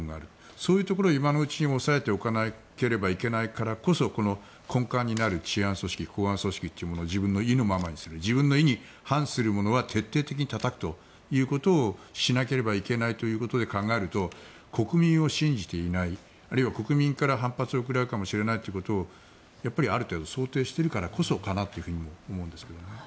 そういうところは今のうちに抑えておかなければいけないからこそ根幹になる治安組織公安組織というものを組織する必要がある自分の意に反するものは徹底的にたたくということをしなければいけないということで考えると国民を信じていないあるいは国民から反発を食らうかもしれないということをある程度想定しているからこそかなと思うんですけどね。